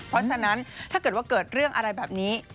เพราะฉะนั้นถ้าเกิดว่าเกิดเรื่องอะไรแบบนี้